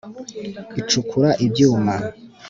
icukura ibyuma,